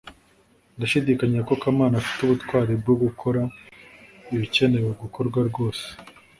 ndashidikanya ko kamana afite ubutwari bwo gukora ibikenewe gukorwa rwose